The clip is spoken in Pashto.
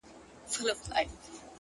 هره ورځ نوی پیل لري.!